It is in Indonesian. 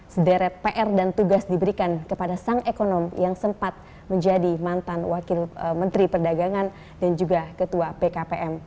sederet pr dan tugas diberikan kepada sang ekonom yang sempat menjadi mantan wakil menteri perdagangan dan juga ketua pkpm